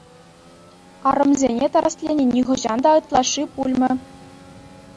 Арӑмсене тӗрӗслени нихӑҫан та ытлашши пулмӗ.